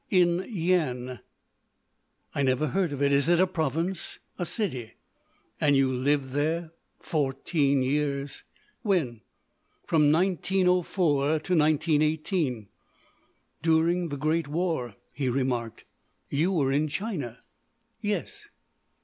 "In Yian." "I never heard of it. Is it a province?" "A city." "And you lived there?" "Fourteen years." "When?" "From 1904 to 1918." "During the great war," he remarked, "you were in China?" "Yes."